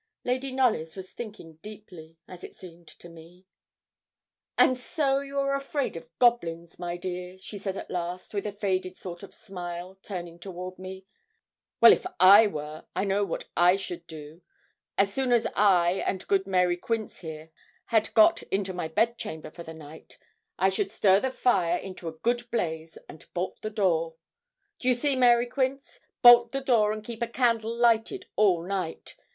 Lady Knollys was thinking deeply, as it seemed to me. 'And so you are afraid of goblins, my dear,' she said at last, with a faded sort of smile, turning toward me; 'well, if I were, I know what I should do so soon as I, and good Mary Quince here, had got into my bed chamber for the night, I should stir the fire into a good blaze, and bolt the door do you see, Mary Quince? bolt the door and keep a candle lighted all night.